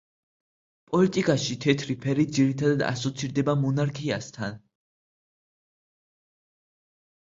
პოლიტიკაში თეთრი ფერი ძირითად ასოცირდება მონარქიასთან.